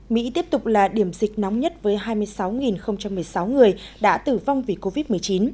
mỹ tiếp tục là điểm dịch nóng nhất với hai mươi sáu một mươi sáu người đã tử vong vì covid một mươi chín